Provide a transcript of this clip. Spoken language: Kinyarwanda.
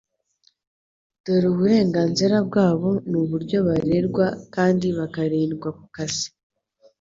Dore uburenganzira bwabo nuburyo barerwa kandi bakarindwa kukazi